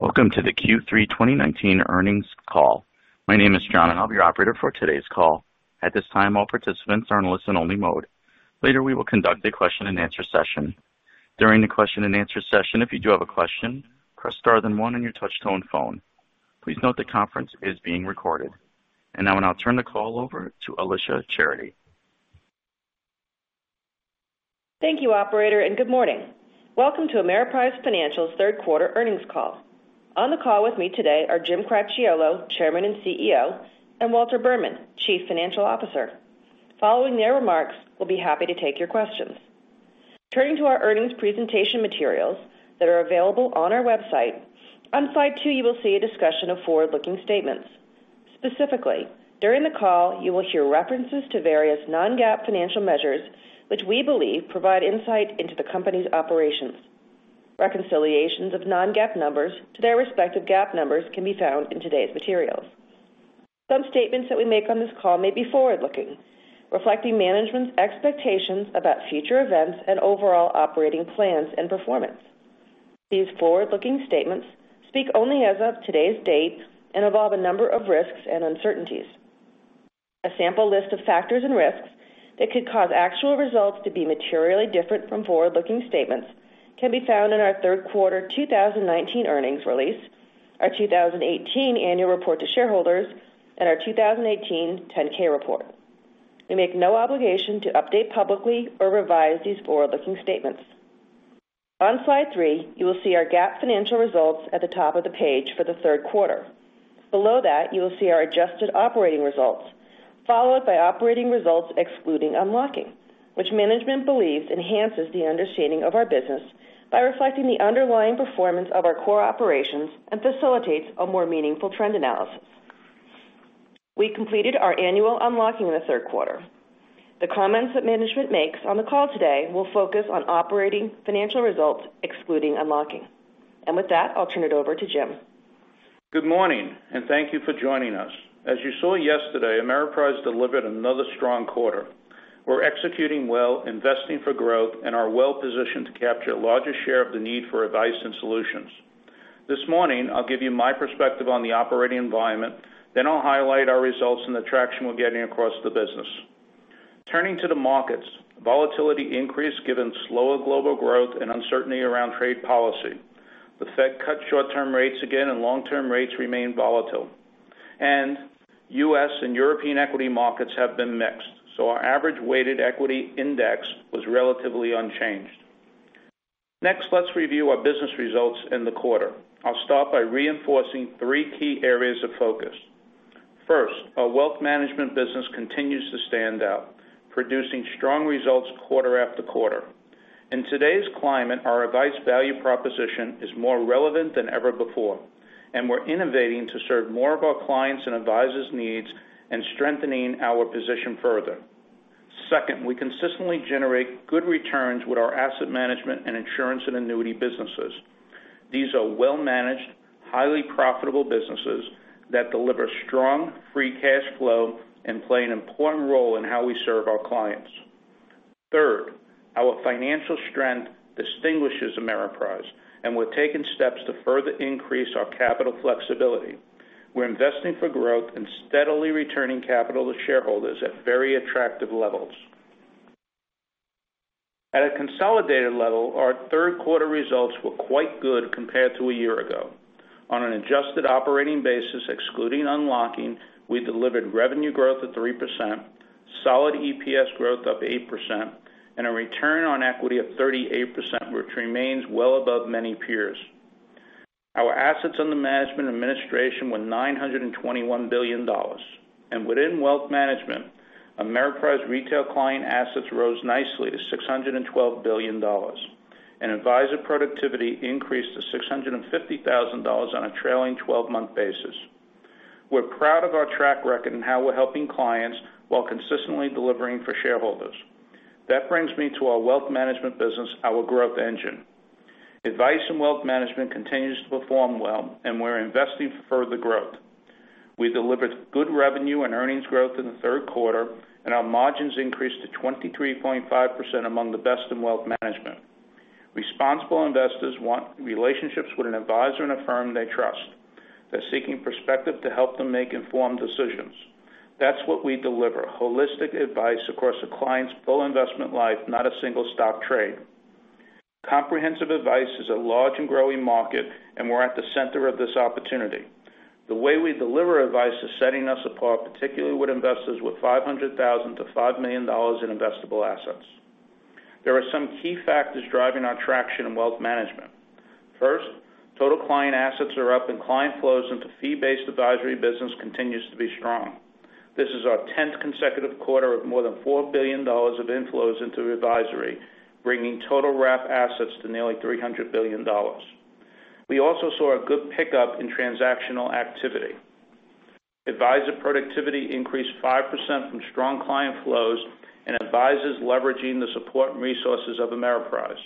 Welcome to the Q3 2019 earnings call. My name is John, and I'll be your operator for today's call. At this time, all participants are in listen only mode. Later, we will conduct a question and answer session. During the question and answer session, if you do have a question, press star then one on your touchtone phone. Please note the conference is being recorded. Now I'll turn the call over to Alicia Charity. Thank you, operator, and good morning. Welcome to Ameriprise Financial's third quarter earnings call. On the call with me today are Jim Cracchiolo, Chairman and CEO, and Walter Berman, Chief Financial Officer. Following their remarks, we'll be happy to take your questions. Turning to our earnings presentation materials that are available on our website. On slide two, you will see a discussion of forward-looking statements. Specifically, during the call, you will hear references to various non-GAAP financial measures which we believe provide insight into the company's operations. Reconciliations of non-GAAP numbers to their respective GAAP numbers can be found in today's materials. Some statements that we make on this call may be forward-looking, reflecting management's expectations about future events and overall operating plans and performance. These forward-looking statements speak only as of today's date and involve a number of risks and uncertainties. A sample list of factors and risks that could cause actual results to be materially different from forward-looking statements can be found in our third quarter 2019 earnings release, our 2018 annual report to shareholders, and our 2018 10-K report. We make no obligation to update publicly or revise these forward-looking statements. On slide three, you will see our GAAP financial results at the top of the page for the third quarter. Below that, you will see our adjusted operating results, followed by operating results excluding unlocking, which management believes enhances the understanding of our business by reflecting the underlying performance of our core operations and facilitates a more meaningful trend analysis. We completed our annual unlocking in the third quarter. The comments that management makes on the call today will focus on operating financial results excluding unlocking. With that, I'll turn it over to Jim. Good morning, and thank you for joining us. As you saw yesterday, Ameriprise delivered another strong quarter. We're executing well, investing for growth, and are well-positioned to capture a larger share of the need for advice and solutions. This morning, I'll give you my perspective on the operating environment. I'll highlight our results and the traction we're getting across the business. Turning to the markets, volatility increased given slower global growth and uncertainty around trade policy. The Fed cut short-term rates again, and long-term rates remain volatile. U.S. and European equity markets have been mixed, our average weighted equity index was relatively unchanged. Next, let's review our business results in the quarter. I'll start by reinforcing three key areas of focus. First, our wealth management business continues to stand out, producing strong results quarter after quarter. In today's climate, our advice value proposition is more relevant than ever before. We're innovating to serve more of our clients and advisors' needs and strengthening our position further. Second, we consistently generate good returns with our asset management, and insurance and annuity businesses. These are well-managed, highly profitable businesses that deliver strong free cash flow and play an important role in how we serve our clients. Third, our financial strength distinguishes Ameriprise. We're taking steps to further increase our capital flexibility. We're investing for growth and steadily returning capital to shareholders at very attractive levels. At a consolidated level, our third quarter results were quite good compared to a year ago. On an adjusted operating basis, excluding unlocking, we delivered revenue growth of 3%, solid EPS growth of 8%, and a return on equity of 38%, which remains well above many peers. Our assets under management and administration were $921 billion. Within wealth management, Ameriprise retail client assets rose nicely to $612 billion, and advisor productivity increased to $650,000 on a trailing 12-month basis. We're proud of our track record and how we're helping clients while consistently delivering for shareholders. That brings me to our wealth management business, our growth engine. Advice and wealth management continues to perform well. We're investing for further growth. We delivered good revenue and earnings growth in the third quarter, and our margins increased to 23.5% among the best in wealth management. Responsible investors want relationships with an advisor and a firm they trust. They're seeking perspective to help them make informed decisions. That's what we deliver, holistic advice across a client's full investment life, not a single-stock trade. Comprehensive advice is a large and growing market. We're at the center of this opportunity. The way we deliver advice is setting us apart, particularly with investors with $500,000 to $5 million in investable assets. There are some key factors driving our traction in wealth management. First, total client assets are up. Client flows into fee-based advisory business continues to be strong. This is our tenth consecutive quarter of more than $4 billion of inflows into advisory, bringing total wrap assets to nearly $300 billion. We also saw a good pickup in transactional activity. Advisor productivity increased 5% from strong client flows and advisors leveraging the support and resources of Ameriprise.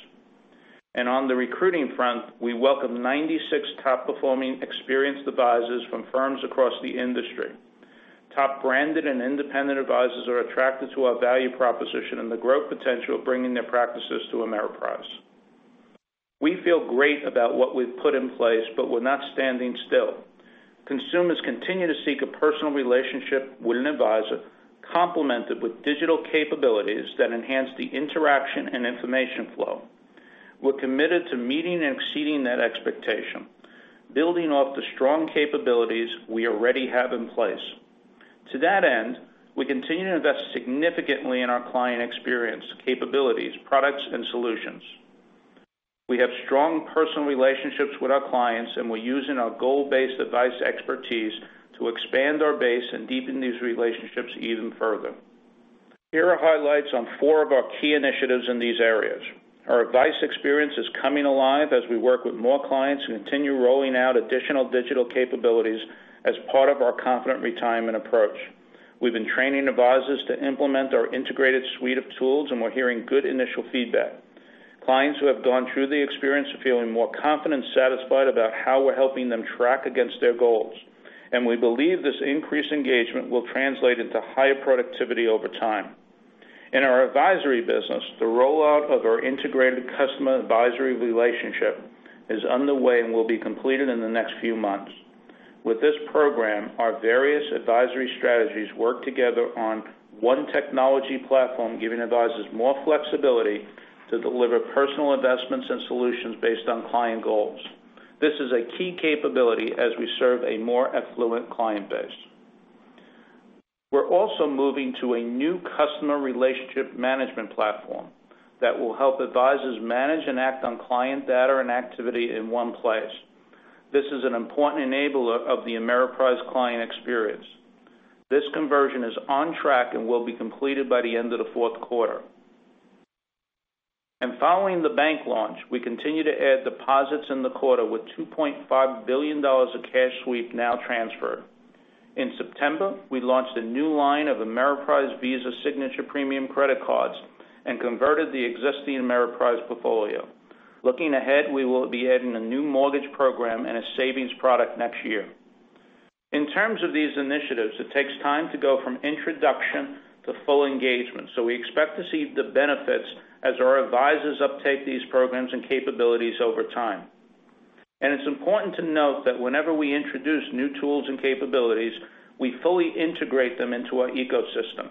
On the recruiting front, we welcomed 96 top-performing experienced advisors from firms across the industry. Top branded and independent advisors are attracted to our value proposition and the growth potential of bringing their practices to Ameriprise. We feel great about what we've put in place. We're not standing still. Consumers continue to seek a personal relationship with an advisor, complemented with digital capabilities that enhance the interaction and information flow. We're committed to meeting and exceeding that expectation, building off the strong capabilities we already have in place. To that end, we continue to invest significantly in our client experience, capabilities, products, and solutions. We have strong personal relationships with our clients. We're using our goal-based advice expertise to expand our base and deepen these relationships even further. Here are highlights on four of our key initiatives in these areas. Our advice experience is coming alive as we work with more clients who continue rolling out additional digital capabilities as part of our Confident Retirement approach. We've been training advisors to implement our integrated suite of tools. We're hearing good initial feedback. Clients who have gone through the experience are feeling more confident and satisfied about how we're helping them track against their goals. We believe this increased engagement will translate into higher productivity over time. In our advisory business, the rollout of our Integrated Customer Advisory Relationship is underway and will be completed in the next few months. With this program, our various advisory strategies work together on one technology platform, giving advisors more flexibility to deliver personal investments and solutions based on client goals. This is a key capability as we serve a more affluent client base. We're also moving to a new customer relationship management platform that will help advisors manage and act on client data and activity in one place. This is an important enabler of the Ameriprise Client Experience. This conversion is on track and will be completed by the end of the fourth quarter. Following the bank launch, we continue to add deposits in the quarter with $2.5 billion of cash sweep now transferred. In September, we launched a new line of Ameriprise Visa Signature premium credit cards and converted the existing Ameriprise portfolio. Looking ahead, we will be adding a new mortgage program and a savings product next year. In terms of these initiatives, it takes time to go from introduction to full engagement, we expect to see the benefits as our advisors uptake these programs and capabilities over time. It's important to note that whenever we introduce new tools and capabilities, we fully integrate them into our ecosystem.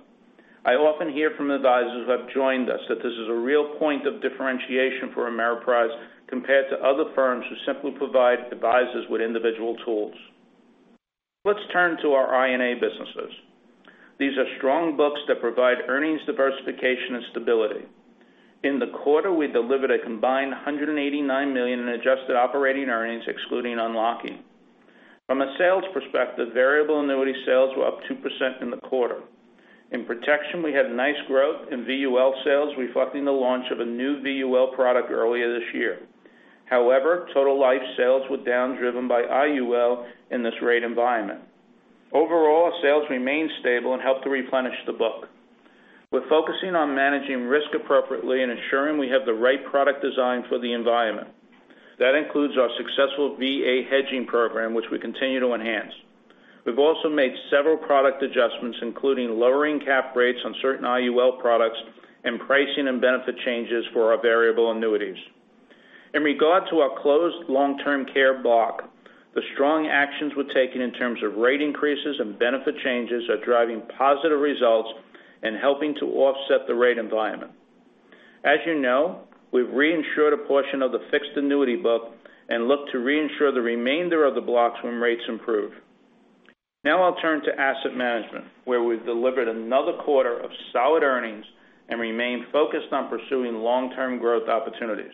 I often hear from advisors who have joined us that this is a real point of differentiation for Ameriprise compared to other firms who simply provide advisors with individual tools. Let's turn to our I&A businesses. These are strong books that provide earnings diversification and stability. In the quarter, we delivered a combined $189 million in adjusted operating earnings, excluding unlocking. From a sales perspective, variable annuity sales were up 2% in the quarter. In protection, we had nice growth in VUL sales, reflecting the launch of a new VUL product earlier this year. However, total life sales were down, driven by IUL in this rate environment. Overall, sales remained stable and helped to replenish the book. We're focusing on managing risk appropriately and ensuring we have the right product design for the environment. That includes our successful VA hedging program, which we continue to enhance. We've also made several product adjustments, including lowering cap rates on certain IUL products and pricing and benefit changes for our variable annuities. In regard to our closed long-term care block, the strong actions we're taking in terms of rate increases and benefit changes are driving positive results and helping to offset the rate environment. As you know, we've reinsured a portion of the fixed annuity book and look to reinsure the remainder of the blocks when rates improve. I'll turn to asset management, where we've delivered another quarter of solid earnings and remain focused on pursuing long-term growth opportunities.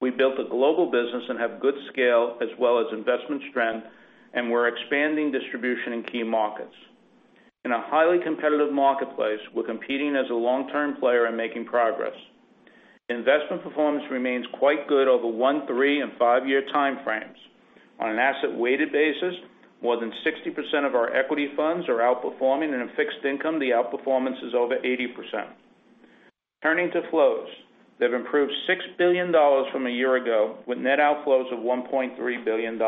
We built a global business and have good scale as well as investment strength, we're expanding distribution in key markets. In a highly competitive marketplace, we're competing as a long-term player and making progress. Investment performance remains quite good over one, three, and five-year time frames. On an asset-weighted basis, more than 60% of our equity funds are outperforming, and in fixed income, the outperformance is over 80%. Turning to flows, they've improved $6 billion from a year ago, with net outflows of $1.3 billion.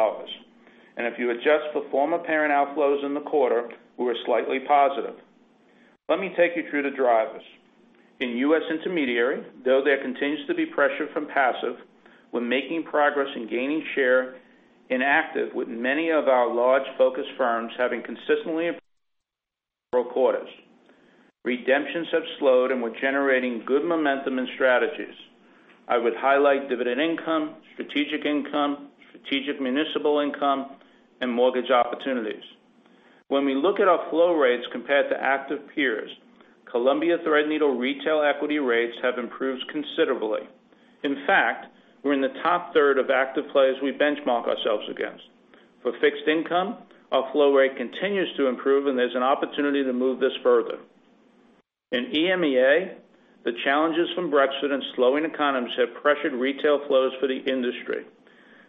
If you adjust for former parent outflows in the quarter, we're slightly positive. Let me take you through the drivers. In U.S. intermediary, though there continues to be pressure from passive, we're making progress in gaining share in active with many of our large focus firms having consistently improved quarters. Redemptions have slowed, and we're generating good momentum and strategies. I would highlight dividend income, Strategic Income, Strategic Municipal Income, and Mortgage Opportunities. When we look at our flow rates compared to active peers, Columbia Threadneedle retail equity rates have improved considerably. In fact, we're in the top third of active players we benchmark ourselves against. For fixed income, our flow rate continues to improve, and there's an opportunity to move this further. In EMEA, the challenges from Brexit and slowing economies have pressured retail flows for the industry.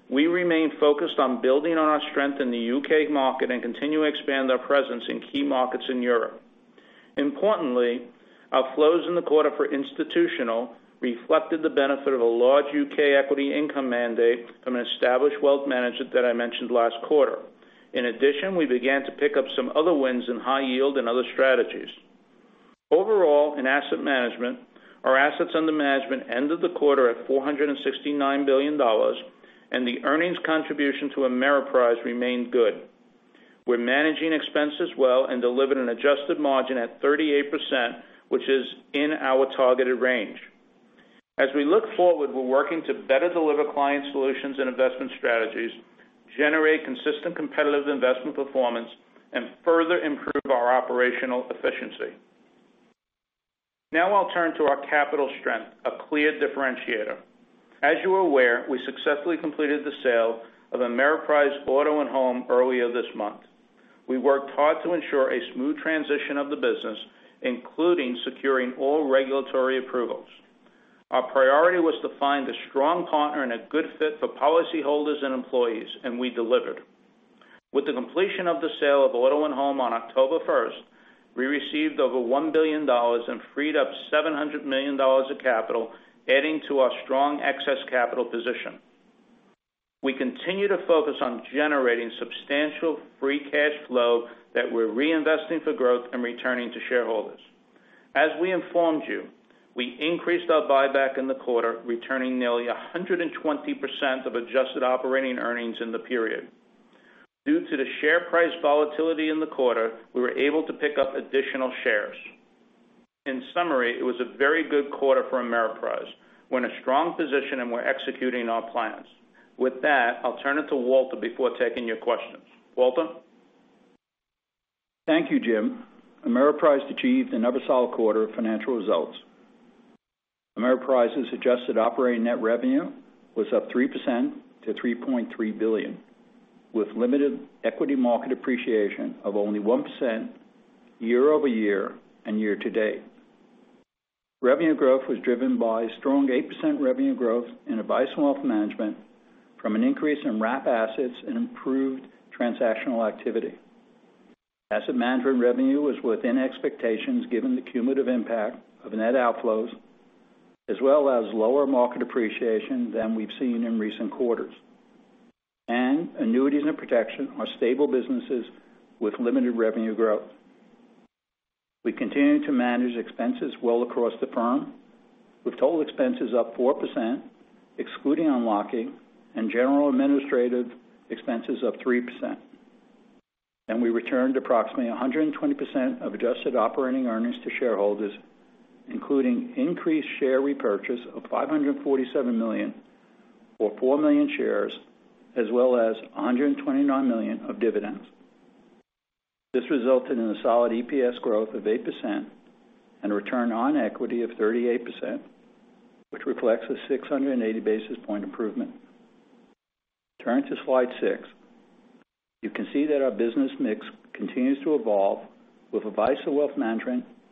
We remain focused on building on our strength in the U.K. market and continue to expand our presence in key markets in Europe. Importantly, our flows in the quarter for institutional reflected the benefit of a large U.K. equity income mandate from an established wealth management that I mentioned last quarter. We began to pick up some other wins in high yield and other strategies. Overall, in asset management, our assets under management ended the quarter at $469 billion, and the earnings contribution to Ameriprise remained good. We're managing expenses well and delivered an adjusted margin at 38%, which is in our targeted range. As we look forward, we're working to better deliver client solutions and investment strategies, generate consistent competitive investment performance, and further improve our operational efficiency. Now I'll turn to our capital strength, a clear differentiator. As you are aware, we successfully completed the sale of Ameriprise Auto & Home earlier this month. We worked hard to ensure a smooth transition of the business, including securing all regulatory approvals. Our priority was to find a strong partner and a good fit for policyholders and employees, and we delivered. With the completion of the sale of Auto & Home on October 1st, we received over $1 billion and freed up $700 million of capital, adding to our strong excess capital position. We continue to focus on generating substantial free cash flow that we're reinvesting for growth and returning to shareholders. As we informed you, we increased our buyback in the quarter, returning nearly 120% of adjusted operating earnings in the period. Due to the share price volatility in the quarter, we were able to pick up additional shares. In summary, it was a very good quarter for Ameriprise. We're in a strong position, and we're executing our plans. With that, I'll turn it to Walter before taking your questions. Walter? Thank you, Jim. Ameriprise achieved another solid quarter of financial results. Ameriprise's adjusted operating net revenue was up 3% to $3.3 billion, with limited equity market appreciation of only 1% year-over-year and year to date. Revenue growth was driven by strong 8% revenue growth in Advice & Wealth Management from an increase in wrap assets and improved transactional activity. Asset management revenue was within expectations given the cumulative impact of net outflows, as well as lower market appreciation than we've seen in recent quarters. Annuities and protection are stable businesses with limited revenue growth. We continue to manage expenses well across the firm, with total expenses up 4%, excluding unlocking and General and Administrative expenses up 3%. We returned approximately 120% of adjusted operating earnings to shareholders, including increased share repurchase of $547 million or 4 million shares, as well as $129 million of dividends. This resulted in a solid EPS growth of 8% and return on equity of 38%, which reflects a 680 basis point improvement. Turning to slide six, you can see that our business mix continues to evolve with Advice & Wealth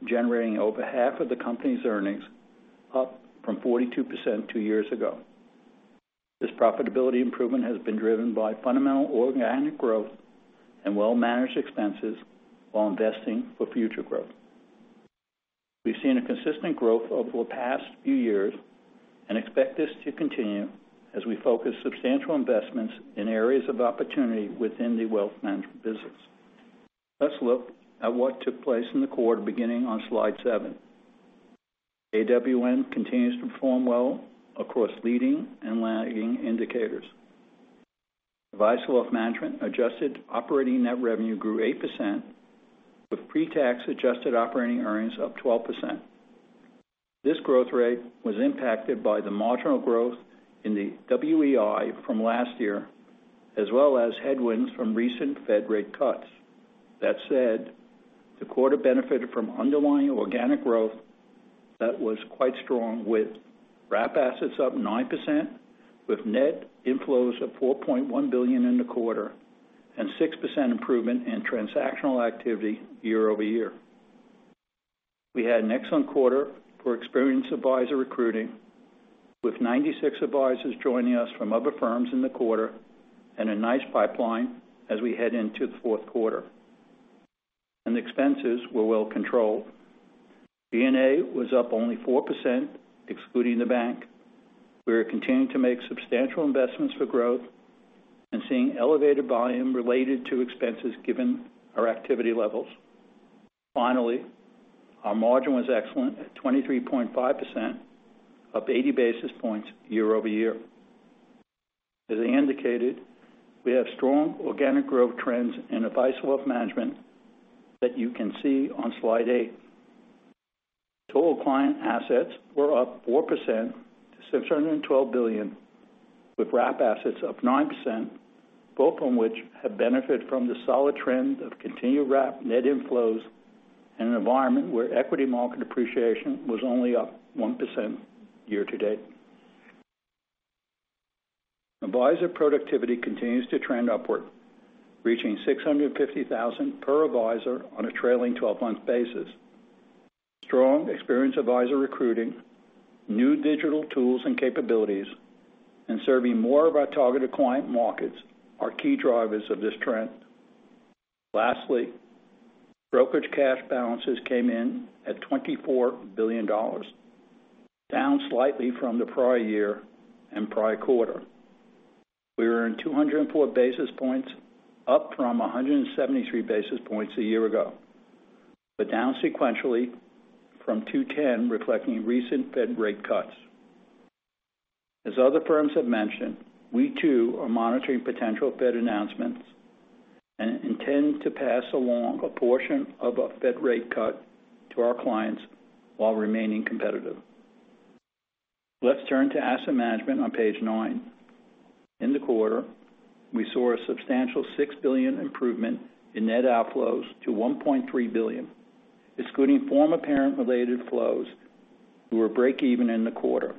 Management generating over half of the company's earnings, up from 42% two years ago. This profitability improvement has been driven by fundamental organic growth and well-managed expenses while investing for future growth. We've seen a consistent growth over the past few years and expect this to continue as we focus substantial investments in areas of opportunity within the wealth management business. Let's look at what took place in the quarter beginning on slide seven. AWM continues to perform well across leading and lagging indicators. Advice & Wealth Management adjusted operating net revenue grew 8%, with pre-tax adjusted operating earnings up 12%. This growth rate was impacted by the marginal growth in the WEI from last year, as well as headwinds from recent Fed rate cuts. That said, the quarter benefited from underlying organic growth that was quite strong, with wrap assets up 9%, with net inflows of $4.1 billion in the quarter, and 6% improvement in transactional activity year-over-year. We had an excellent quarter for experienced advisor recruiting, with 96 advisors joining us from other firms in the quarter and a nice pipeline as we head into the fourth quarter. Expenses were well controlled. G&A was up only 4%, excluding the bank. We are continuing to make substantial investments for growth and seeing elevated volume related to expenses given our activity levels. Our margin was excellent at 23.5%, up 80 basis points year-over-year. As I indicated, we have strong organic growth trends in Advice & Wealth Management that you can see on slide eight. Total client assets were up 4% to $612 billion, with wrap assets up 9%, both of which have benefited from the solid trend of continued wrap net inflows in an environment where equity market appreciation was only up 1% year to date. Advisor productivity continues to trend upward, reaching $650,000 per advisor on a trailing 12-month basis. Strong experienced advisor recruiting, new digital tools and capabilities, and serving more of our targeted client markets are key drivers of this trend. Brokerage cash balances came in at $24 billion, down slightly from the prior year and prior quarter. We were in 204 basis points, up from 173 basis points a year ago. Down sequentially from 210 basis points, reflecting recent Fed rate cuts. As other firms have mentioned, we too are monitoring potential Fed announcements and intend to pass along a portion of a Fed rate cut to our clients while remaining competitive. Let's turn to asset management on page nine. In the quarter, we saw a substantial $6 billion improvement in net outflows to $1.3 billion, excluding former parent-related flows who were breakeven in the quarter.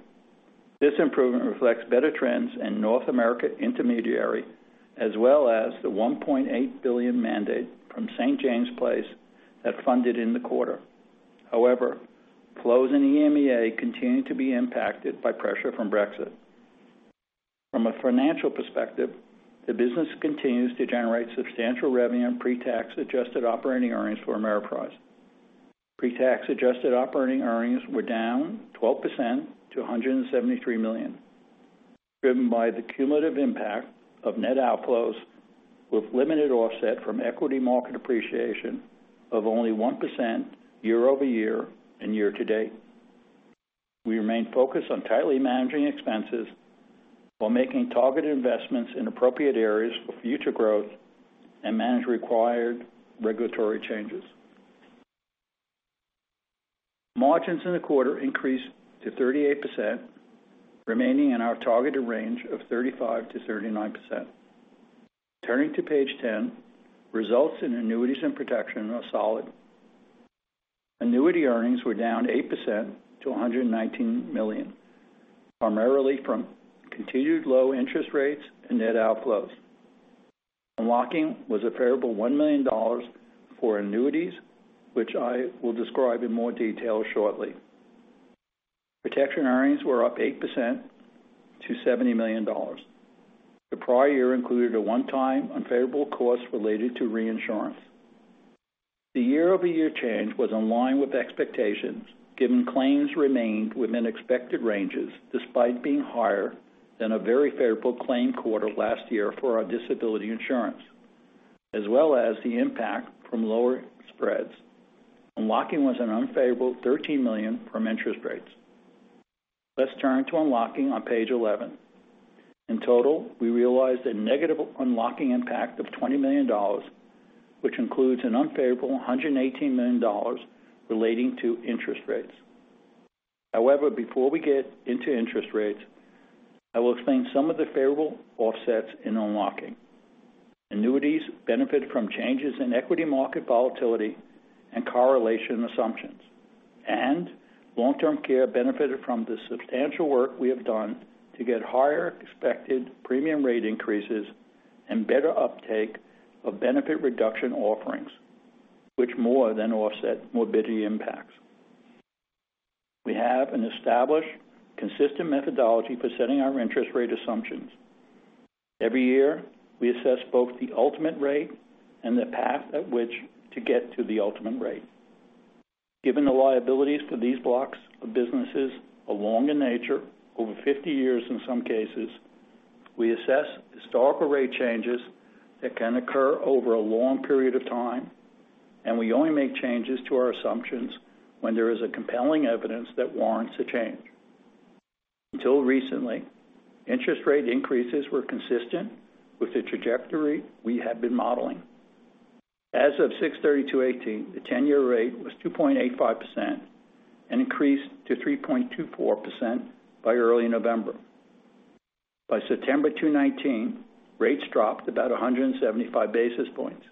This improvement reflects better trends in North America intermediary, as well as the $1.8 billion mandate from St. James's Place that funded in the quarter. Flows in EMEA continue to be impacted by pressure from Brexit. From a financial perspective, the business continues to generate substantial revenue and pre-tax adjusted operating earnings for Ameriprise. Pre-tax adjusted operating earnings were down 12% to $173 million, driven by the cumulative impact of net outflows with limited offset from equity market appreciation of only 1% year-over-year and year-to-date. We remain focused on tightly managing expenses while making targeted investments in appropriate areas for future growth and manage required regulatory changes. Margins in the quarter increased to 38%, remaining in our targeted range of 35%-39%. Turning to page 10, results in annuities and protection are solid. Annuity earnings were down 8% to $119 million, primarily from continued low interest rates and net outflows. Unlocking was a favorable $1 million for annuities, which I will describe in more detail shortly. Protection earnings were up 8% to $70 million. The prior year included a one-time unfavorable cost related to reinsurance. The year-over-year change was in line with expectations, given claims remained within expected ranges, despite being higher than a very favorable claim quarter last year for our disability insurance, as well as the impact from lower spreads. Unlocking was an unfavorable $13 million from interest rates. Let's turn to unlocking on page 11. In total, we realized a negative unlocking impact of $20 million, which includes an unfavorable $118 million relating to interest rates. Before we get into interest rates, I will explain some of the favorable offsets in unlocking. Annuities benefit from changes in equity market volatility and correlation assumptions, and long-term care benefited from the substantial work we have done to get higher expected premium rate increases and better uptake of benefit reduction offerings, which more than offset morbidity impacts. We have an established, consistent methodology for setting our interest rate assumptions. Every year, we assess both the ultimate rate and the path at which to get to the ultimate rate. Given the liabilities for these blocks of businesses are long in nature, over 50 years in some cases, we assess historical rate changes that can occur over a long period of time, and we only make changes to our assumptions when there is a compelling evidence that warrants a change. Until recently, interest rate increases were consistent with the trajectory we had been modeling. As of 6/30/2018, the 10-year rate was 2.85% and increased to 3.24% by early November. By September 2019, rates dropped about 175 basis points.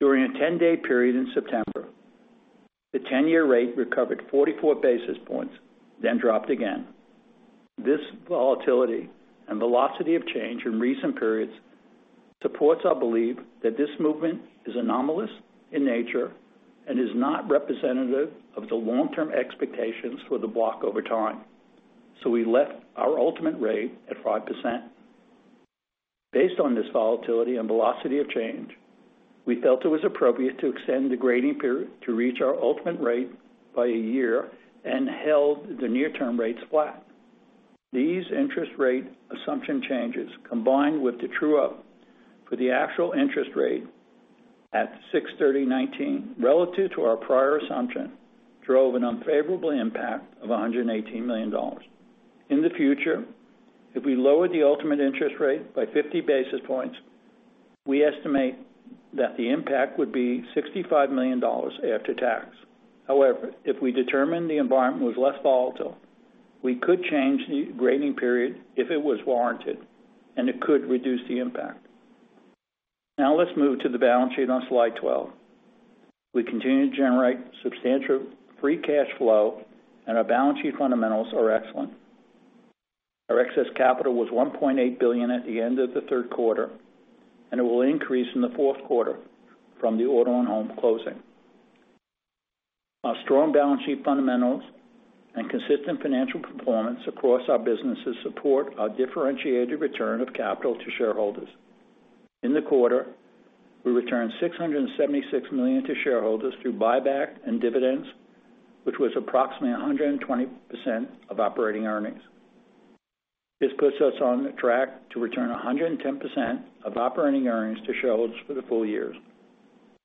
During a 10-day period in September, the 10-year rate recovered 44 basis points, then dropped again. This volatility and velocity of change in recent periods supports our belief that this movement is anomalous in nature and is not representative of the long-term expectations for the block over time. We left our ultimate rate at 5%. Based on this volatility and velocity of change, we felt it was appropriate to extend the grading period to reach our ultimate rate by a year and held the near-term rates flat. These interest rate assumption changes, combined with the true-up for the actual interest rate at 6/30/2019 relative to our prior assumption, drove an unfavorable impact of $118 million. In the future, if we lower the ultimate interest rate by 50 basis points, we estimate that the impact would be $65 million after tax. However, if we determine the environment was less volatile, we could change the grading period if it was warranted, and it could reduce the impact. Now let's move to the balance sheet on slide 12. We continue to generate substantial free cash flow and our balance sheet fundamentals are excellent. Our excess capital was $1.8 billion at the end of the third quarter. It will increase in the fourth quarter from the Auto and Home closing. Our strong balance sheet fundamentals and consistent financial performance across our businesses support our differentiated return of capital to shareholders. In the quarter, we returned $676 million to shareholders through buyback and dividends, which was approximately 120% of operating earnings. This puts us on track to return 110% of operating earnings to shareholders for the full year.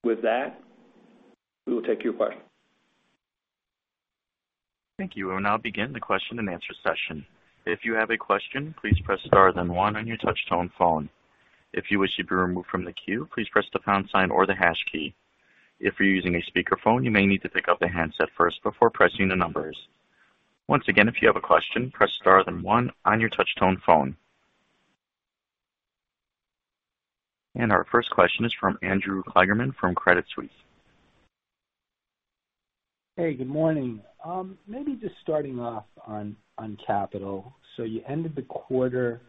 With that, we will take your questions. Thank you. We'll now begin the question and answer session. If you have a question, please press star then one on your touch tone phone. If you wish you'd be removed from the queue, please press the pound sign or the hash key. If you're using a speakerphone, you may need to pick up the handset first before pressing the numbers. Once again, if you have a question, press star then one on your touch tone phone. Our first question is from Andrew Kligerman from Credit Suisse. Hey, good morning. Maybe just starting off on capital. You ended the quarter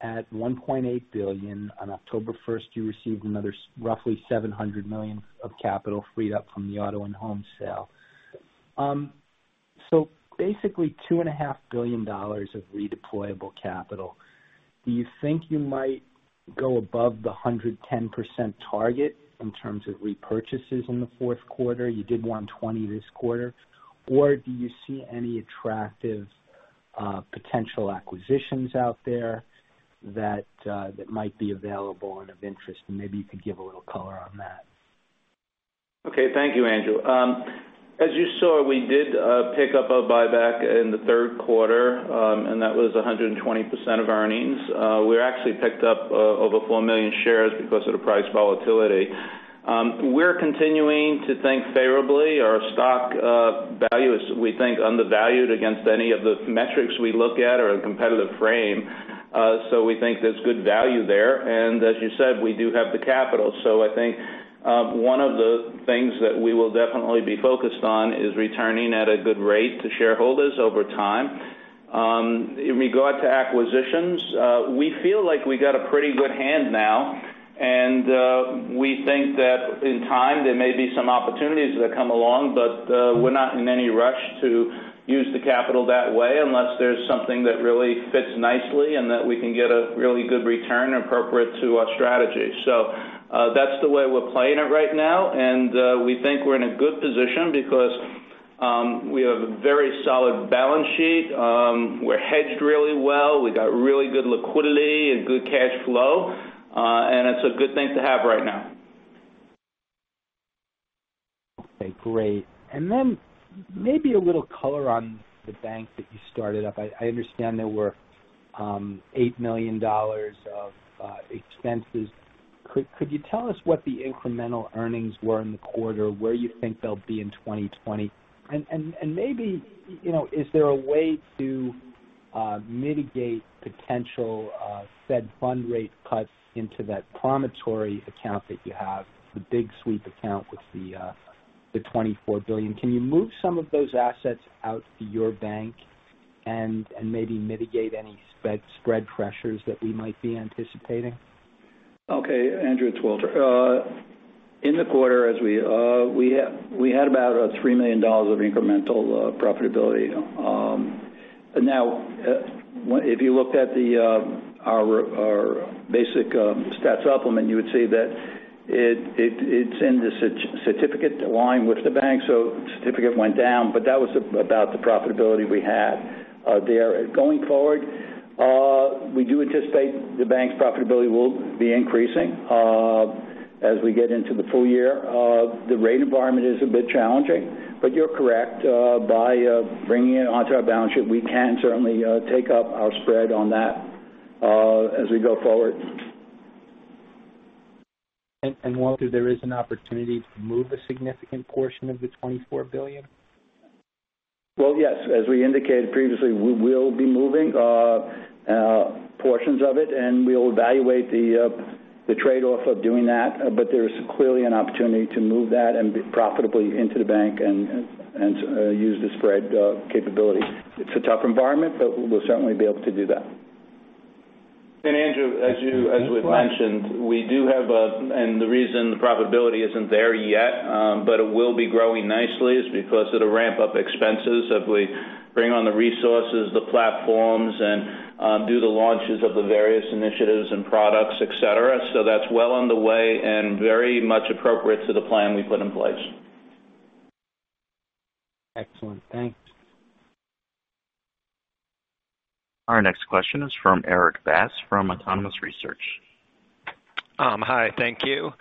at $1.8 billion. On October 1st, you received another roughly $700 million of capital freed up from the Auto and Home sale. Basically, $2.5 billion of redeployable capital. Do you think you might go above the 110% target in terms of repurchases in the fourth quarter? You did 120% this quarter. Do you see any attractive potential acquisitions out there that might be available and of interest? Maybe you could give a little color on that. Okay. Thank you, Andrew. As you saw, we did pick up a buyback in the third quarter, and that was 120% of earnings. We actually picked up over 4 million shares because of the price volatility. We're continuing to think favorably. Our stock value is, we think, undervalued against any of the metrics we look at or in competitive frame. We think there's good value there. As you said, we do have the capital. I think one of the things that we will definitely be focused on is returning at a good rate to shareholders over time. In regard to acquisitions, we feel like we got a pretty good hand now. We think that in time there may be some opportunities that come along, but we're not in any rush to use the capital that way unless there's something that really fits nicely and that we can get a really good return appropriate to our strategy. That's the way we're playing it right now. We think we're in a good position because we have a very solid balance sheet. We're hedged really well. We got really good liquidity and good cash flow. It's a good thing to have right now. Okay, great. Maybe a little color on the bank that you started up. I understand there were $8 million of expenses. Could you tell us what the incremental earnings were in the quarter, where you think they'll be in 2020? Maybe, is there a way to mitigate potential Fed fund rate cuts into that [inaudible account that you have, the big sweep account with the $24 billion? Can you move some of those assets out to your bank and maybe mitigate any spread pressures that we might be anticipating? Okay, Andrew, it's Walter. In the quarter, we had about $3 million of incremental profitability. Now, if you looked at our basic stats supplement, you would see that it's in the certificate line with the bank. Certificate went down, but that was about the profitability we had there. Going forward, we do anticipate the bank's profitability will be increasing as we get into the full year. The rate environment is a bit challenging, you're correct. By bringing it onto our balance sheet, we can certainly take up our spread on that as we go forward. Walter, there is an opportunity to move a significant portion of the $24 billion? Yes. As we indicated previously, we will be moving portions of it, and we'll evaluate the trade-off of doing that. There's clearly an opportunity to move that and be profitably into the bank and use the spread capability. It's a tough environment, we'll certainly be able to do that. Andrew, as we've mentioned, we do have and the reason the profitability isn't there yet but it will be growing nicely is because of the ramp-up expenses of we bring on the resources, the platforms, and do the launches of the various initiatives and products, et cetera. That's well on the way and very much appropriate to the plan we put in place. Excellent. Thanks. Our next question is from Erik Bass, from Autonomous Research. Hi, thank you.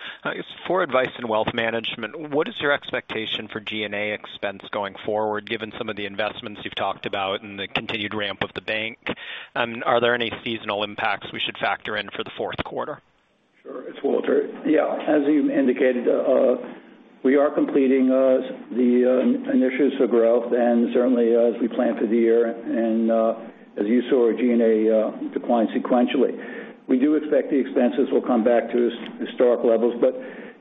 For Advice and Wealth Management, what is your expectation for G&A expense going forward, given some of the investments you've talked about and the continued ramp of the bank? Are there any seasonal impacts we should factor in for the fourth quarter? Sure. It's Walter. Yeah. As you indicated, we are completing the initiatives for growth and certainly as we plan for the year, and as you saw our G&A decline sequentially. We do expect the expenses will come back to historic levels.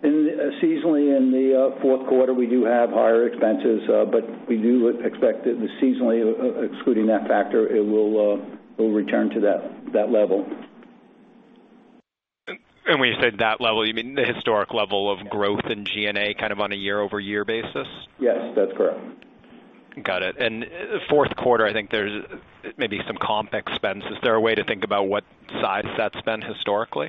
Seasonally in the fourth quarter, we do have higher expenses, but we do expect that seasonally, excluding that factor, it will return to that level. When you say that level, you mean the historic level of growth in G&A on a year-over-year basis? Yes, that's correct. Got it. Fourth quarter, I think there's maybe some comp expense. Is there a way to think about what size that's been historically?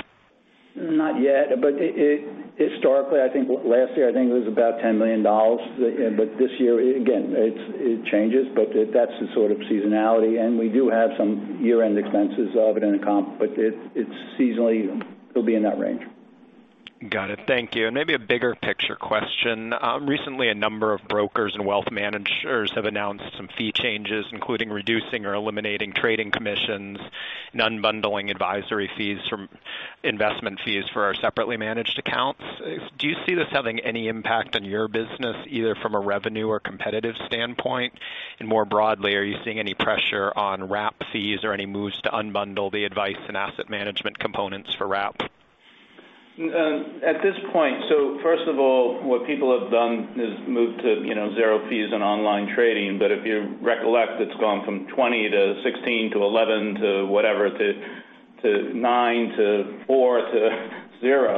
Not yet, historically, I think last year it was about $10 million. This year, again, it changes. That's the sort of seasonality, and we do have some year-end expenses of it in comp, but seasonally it'll be in that range. Got it. Thank you. Maybe a bigger picture question. Recently, a number of brokers and wealth managers have announced some fee changes, including reducing or eliminating trading commissions and unbundling advisory fees from investment fees for our separately managed accounts. Do you see this having any impact on your business, either from a revenue or competitive standpoint? More broadly, are you seeing any pressure on wrap fees or any moves to unbundle the advice and asset management components for wrap? At this point, first of all, what people have done is moved to zero fees and online trading. If you recollect, it's gone from 20 to 16 to 11 to whatever, to nine to four to zero.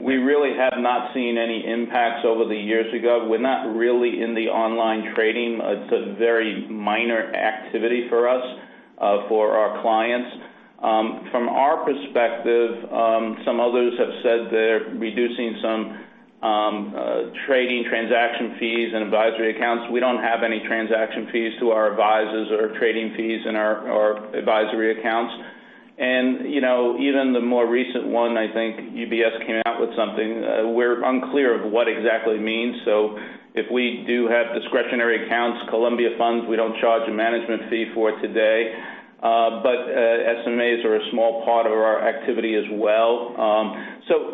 We really have not seen any impacts over the years ago. We're not really in the online trading. It's a very minor activity for us, for our clients. From our perspective, some others have said they're reducing some trading transaction fees and advisory accounts. We don't have any transaction fees to our advisers or trading fees in our advisory accounts. Even the more recent one, I think UBS came out with something. We're unclear of what exactly it means. If we do have discretionary accounts, Columbia funds, we don't charge a management fee for today. SMAs are a small part of our activity as well.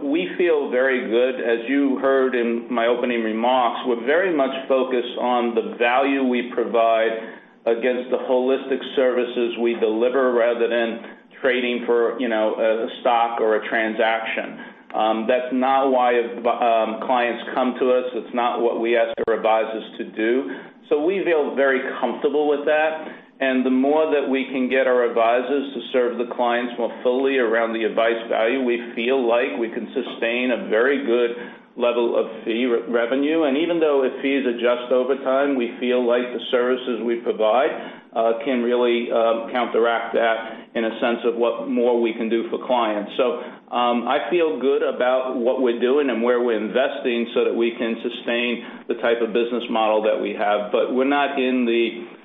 We feel very good. As you heard in my opening remarks, we're very much focused on the value we provide against the holistic services we deliver rather than trading for a stock or a transaction. That's not why clients come to us. It's not what we ask our advisers to do. We feel very comfortable with that. The more that we can get our advisers to serve the clients more fully around the advice value, we feel like we can sustain a very good level of fee revenue. Even though the fees adjust over time, we feel like the services we provide can really counteract that in a sense of what more we can do for clients. I feel good about what we're doing and where we're investing so that we can sustain the type of business model that we have. We're not in the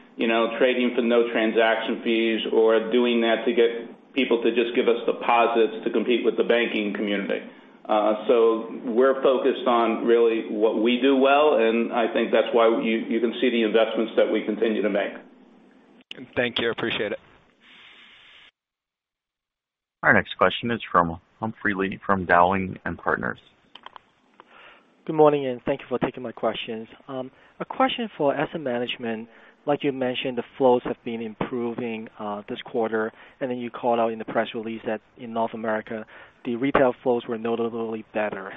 trading for no transaction fees or doing that to get people to just give us deposits to compete with the banking community. We're focused on really what we do well, and I think that's why you can see the investments that we continue to make. Thank you. I appreciate it. Our next question is from Humphrey Lee from Dowling & Partners. Good morning. Thank you for taking my questions. A question for asset management. Like you mentioned, the flows have been improving this quarter, then you called out in the press release that in North America, the retail flows were notably better.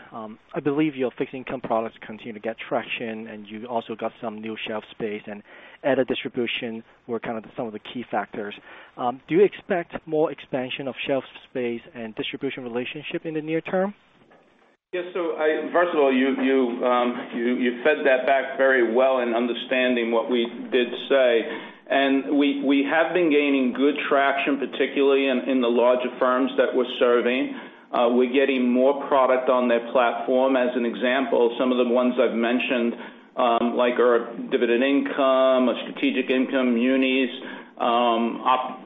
I believe your fixed income products continue to get traction, and you also got some new shelf space and added distribution were some of the key factors. Do you expect more expansion of shelf space and distribution relationship in the near term? Yes. First of all, you fed that back very well in understanding what we did say. We have been gaining good traction, particularly in the larger firms that we're serving. We're getting more product on their platform. As an example, some of the ones I've mentioned like our dividend income, Strategic Income munis,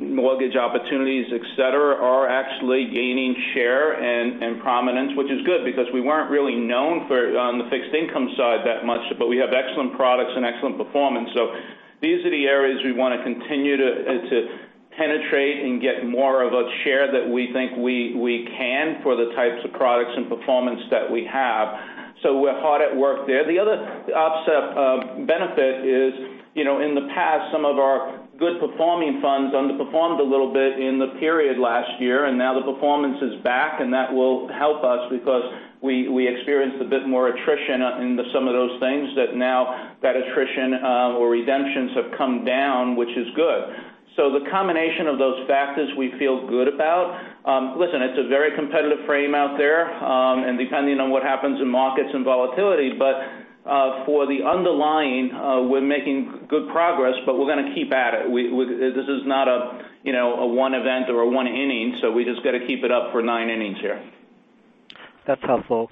Mortgage Opportunities, et cetera, are actually gaining share and prominence, which is good because we weren't really known on the fixed income side that much, but we have excellent products and excellent performance. These are the areas we want to continue to penetrate and get more of a share that we think we can for the types of products and performance that we have. We're hard at work there. The other offset benefit is, in the past, some of our good-performing funds underperformed a little bit in the period last year, and now the performance is back and that will help us because we experienced a bit more attrition into some of those things that now that attrition or redemptions have come down, which is good. The combination of those factors we feel good about. Listen, it's a very competitive frame out there, and depending on what happens in markets and volatility, but for the underlying, we're making good progress, but we're going to keep at it. This is not a one event or a one inning, we just got to keep it up for nine innings here. That's helpful.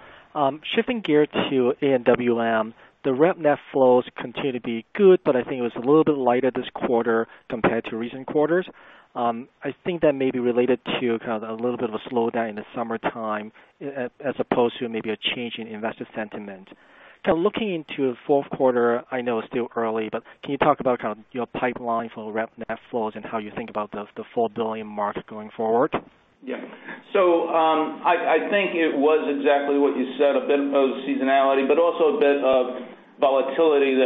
Shifting gear to AWM, the wrap net flows continue to be good, but I think it was a little bit lighter this quarter compared to recent quarters. I think that may be related to kind of a little bit of a slowdown in the summertime as opposed to maybe a change in investor sentiment. Looking into fourth quarter, I know it's still early, but can you talk about your pipeline for wrap net flows and how you think about the $4 billion mark going forward? Yeah. I think it was exactly what you said, a bit of seasonality, but also a bit of volatility.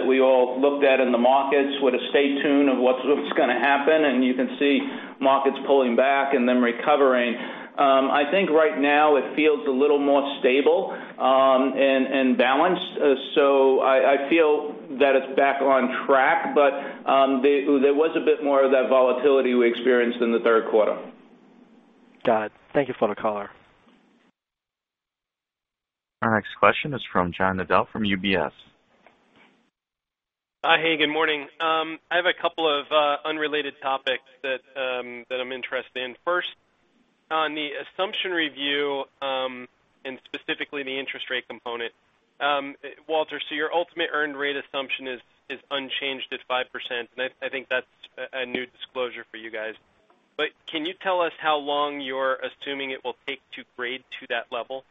Markets with a stay tuned of what's going to happen, and you can see markets pulling back and then recovering. I think right now it feels a little more stable and balanced. I feel that it's back on track, but there was a bit more of that volatility we experienced in the third quarter. Got it. Thank you for the color. Our next question is from John Nadel from UBS. Hi. Hey, good morning. I have a couple of unrelated topics that I'm interested in. First, on the assumption review, and specifically the interest rate component. Walter, your ultimate earned rate assumption is unchanged at 5%, and I think that's a new disclosure for you guys. Can you tell us how long you're assuming it will take to grade to that level?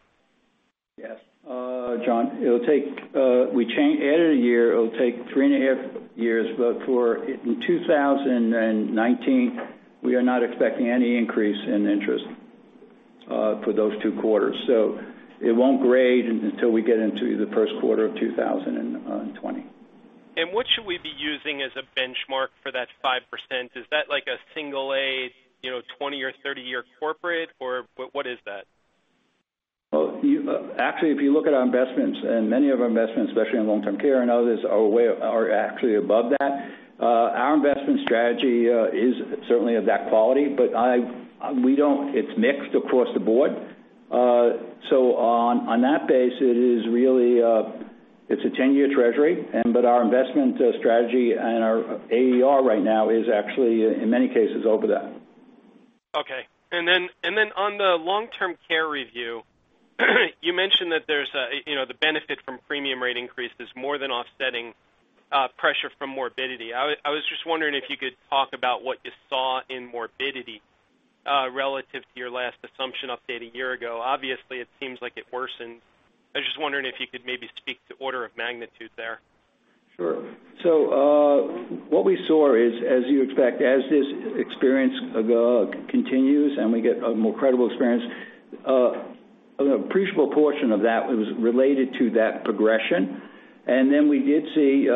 Yes. John, we added a year. It'll take three and a half years, for in 2019, we are not expecting any increase in interest for those two quarters. It won't grade until we get into the first quarter of 2020. What should we be using as a benchmark for that 5%? Is that like a single A, 20- or 30-year corporate, or what is that? Well, actually, if you look at our investments, and many of our investments, especially in long-term care and others, are actually above that. Our investment strategy is certainly of that quality, but it's mixed across the board. On that base, it's a 10-year treasury, but our investment strategy and our AER right now is actually, in many cases, over that. Okay. Then on the long-term care review, you mentioned that the benefit from premium rate increase is more than offsetting pressure from morbidity. I was just wondering if you could talk about what you saw in morbidity, relative to your last assumption update a year ago. Obviously, it seems like it worsened. I was just wondering if you could maybe speak to order of magnitude there. Sure. What we saw is, as you expect, as this experience continues, and we get a more credible experience, an appreciable portion of that was related to that progression. Then we did see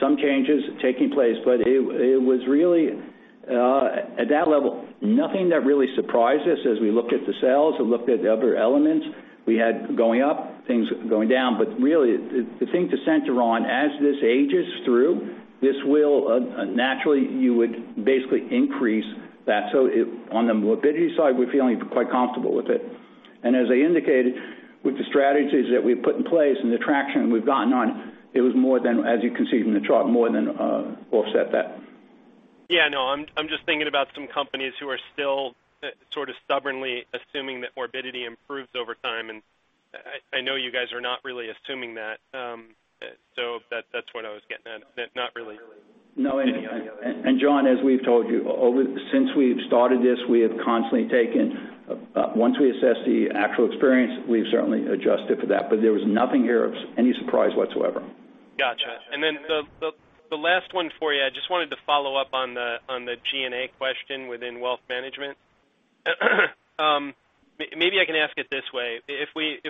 some changes taking place. It was really, at that level, nothing that really surprised us as we looked at the cells and looked at other elements we had going up, things going down. Really, the thing to center on, as this ages through, naturally you would basically increase that. On the morbidity side, we're feeling quite comfortable with it. As I indicated, with the strategies that we've put in place and the traction we've gotten on, it was more than, as you can see from the chart, more than offset that. Yeah, no. I'm just thinking about some companies who are still sort of stubbornly assuming that morbidity improves over time, and I know you guys are not really assuming that. That's what I was getting at. Not really. No. John, as we've told you, since we've started this, we have constantly taken, once we assess the actual experience, we've certainly adjusted for that. There was nothing here of any surprise whatsoever. Got you. The last one for you, I just wanted to follow up on the G&A question within wealth management. Maybe I can ask it this way. If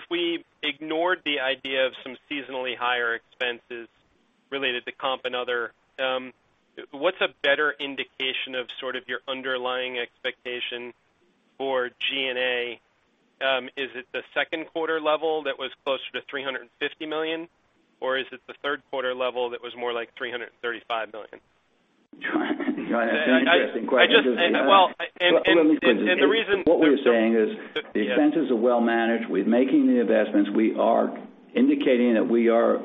we ignored the idea of some seasonally higher expenses related to comp and other, what's a better indication of sort of your underlying expectation for G&A? Is it the second quarter level that was closer to $350 million, or is it the third quarter level that was more like $335 million? John, that's an interesting question. Well, the reason- What we're saying is the expenses are well managed. We're making the investments. We are indicating that we are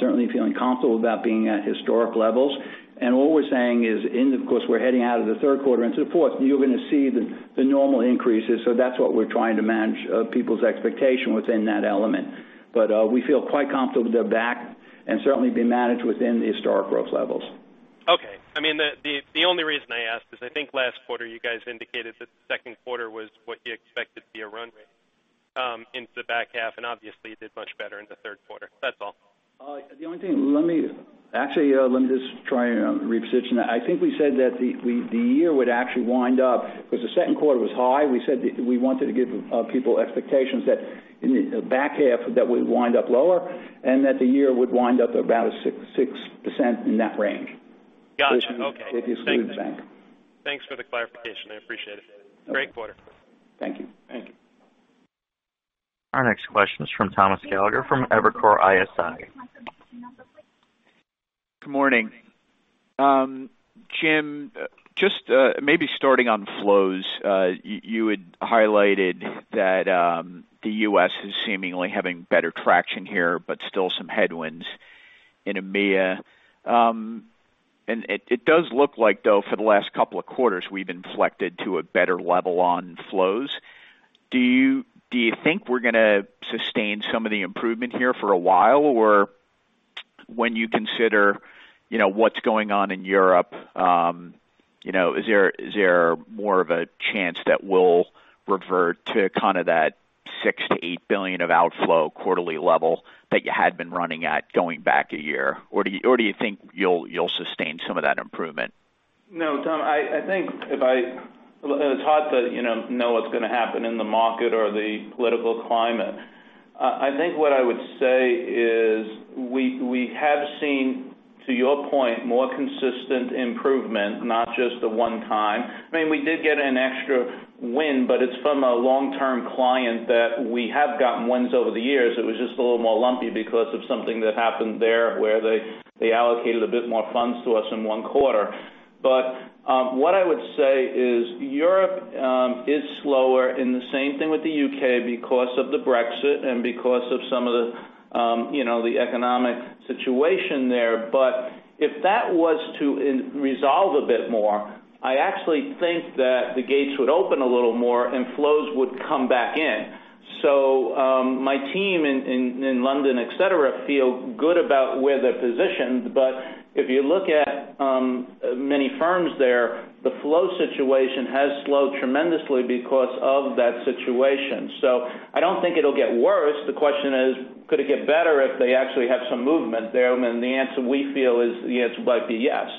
certainly feeling comfortable about being at historic levels. What we're saying is, of course, we're heading out of the third quarter into the fourth. You're going to see the normal increases. That's what we're trying to manage people's expectation within that element. We feel quite comfortable they're back, and certainly being managed within the historic growth levels. Okay. The only reason I ask is I think last quarter you guys indicated that the second quarter was what you expected to be a run rate into the back half, and obviously you did much better in the third quarter. That's all. The only thing, actually, let me just try and reposition that. I think we said that the year would actually wind up because the second quarter was high. We said we wanted to give people expectations that in the back half, that we'd wind up lower, and that the year would wind up about 6%, in that range. Got you. Okay. It is good, thank you. Thanks for the clarification. I appreciate it. Great quarter. Thank you. Our next question is from Thomas Gallagher from Evercore ISI. Good morning. Jim, just maybe starting on flows. You had highlighted that the U.S. is seemingly having better traction here, but still some headwinds in EMEA. It does look like, though, for the last couple of quarters, we've inflected to a better level on flows. Do you think we're going to sustain some of the improvement here for a while? Or when you consider what's going on in Europe, is there more of a chance that we'll revert to kind of that $6 billion to $8 billion of outflow quarterly level that you had been running at going back a year? Or do you think you'll sustain some of that improvement? No, Tom. It's hard to know what's going to happen in the market or the political climate. I think what I would say is we have seen, to your point, more consistent improvement, not just the one time. We did get an extra win, but it's from a long-term client that we have gotten wins over the years. It was just a little more lumpy because of something that happened there where they allocated a bit more funds to us in one quarter. What I would say is Europe is slower in the same thing with the U.K. because of the Brexit and because of some of the economic situation there. If that was to resolve a bit more, I actually think that the gates would open a little more, and flows would come back in. My team in London, et cetera, feel good about where they're positioned. If you look at many firms there, the flow situation has slowed tremendously because of that situation. I don't think it'll get worse. The question is, could it get better if they actually have some movement there? The answer we feel is the answer might be yes.